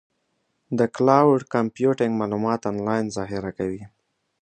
د کلاؤډ کمپیوټینګ معلومات آنلاین ذخیره کوي.